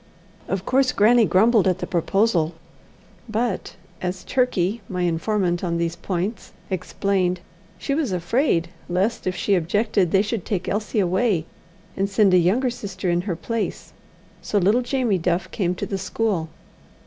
Of course grannie grumbled at the proposal, but, as Turkey, my informant on these points, explained, she was afraid lest, if she objected, they should take Elsie away and send a younger sister in her place. So little Jamie Duff came to the school.